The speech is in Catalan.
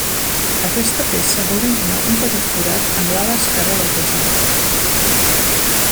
Aquesta peça va originar un petit forat en l'ala esquerra del transbordador.